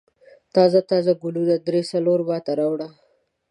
تازه تازه ګلونه درې څلور ما ته راوړه.